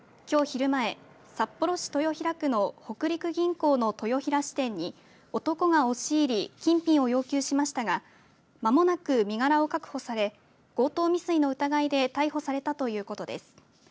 きょう昼前、札幌市豊平区の北陸銀行の豊平支店に男が押し入り金品を要求しましたが間もなく身柄を確保され強盗未遂の疑いで逮捕されたということです。